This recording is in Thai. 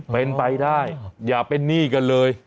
เป็นไปได้อย่าเป็นหนี้กันเลย